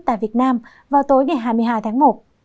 tại việt nam vào tối ngày hai mươi hai tháng một